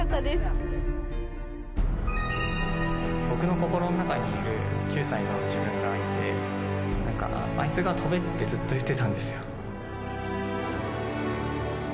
僕の心の中にいる９歳の自分がいて、あいつが跳べってずっと言ってたんですよ。